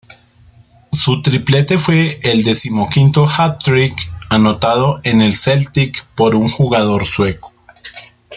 Su triplete fue el decimoquinto hat-trick anotado en el Celtic por un jugador sueco.